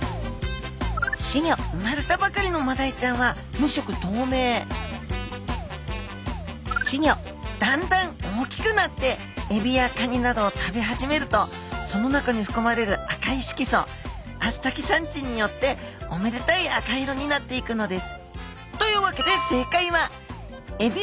生まれたばかりのマダイちゃんは無色とうめいだんだん大きくなってエビやカニなどを食べ始めるとその中にふくまれる赤い色素アスタキサンチンによっておめでたい赤色になっていくのです。